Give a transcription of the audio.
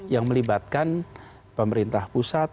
yang melibatkan pemerintah pusat